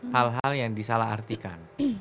hal hal yang disalah artikan